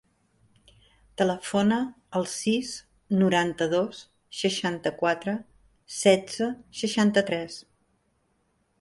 Telefona al sis, noranta-dos, seixanta-quatre, setze, seixanta-tres.